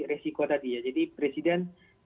resiko tadi ya jadi presiden